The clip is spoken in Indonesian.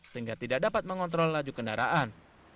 sehingga tidak dapat mengontrol laju kendaraan